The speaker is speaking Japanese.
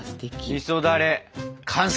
みそだれ完成！